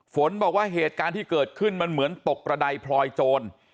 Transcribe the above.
ฝนบอกว่าเหตุการณ์ที่เกิดขึ้นมันเหมือนตกกระดายพลอยโจร